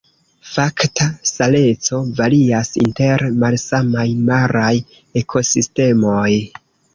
Fakta saleco varias inter malsamaj maraj ekosistemoj.